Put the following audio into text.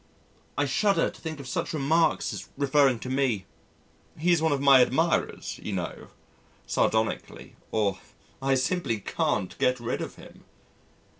I shudder to think of such remarks as (referring to me), "He's one of my admirers, you know" (sardonically), or, "I simply can't get rid of him."